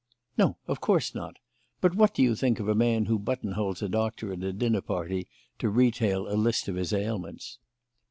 "No, of course not. But what do you think of a man who buttonholes a doctor at a dinner party to retail a list of his ailments?"